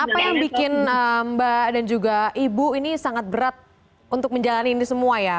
apa yang bikin mbak dan juga ibu ini sangat berat untuk menjalani ini semua ya